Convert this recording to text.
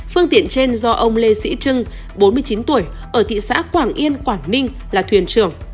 phương tiện trên do ông lê sĩ trưng bốn mươi chín tuổi ở thị xã quảng yên quảng ninh là thuyền trưởng